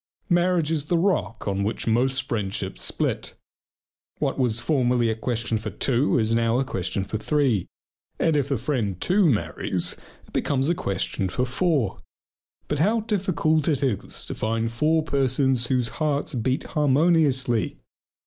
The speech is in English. Marriage is the rock on which most friendships split. What was formerly a question for two is now a question for three. And if the friend too marries it becomes a question for four. But how difficult it is to find four persons whose hearts beat harmoniously!